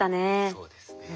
そうですね。